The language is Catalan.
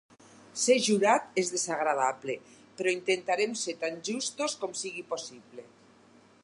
Ser jurat és desagradable, però intentarem ser tan justos com sigui possible.